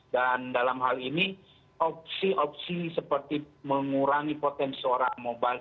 dan dalam hal ini opsi opsi seperti mengurangi potensi orang mobile